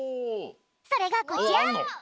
それがこちら！